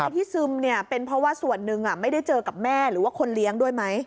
ที่ซึมเนี่ยเป็นเพราะว่าส่วนหนึ่งไม่ได้เจอกับแม่หรือว่าคนเลี้ยงด้วยไหม